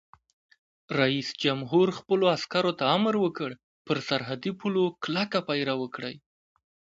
رئیس جمهور خپلو عسکرو ته امر وکړ؛ پر سرحدي پولو کلک پیره وکړئ!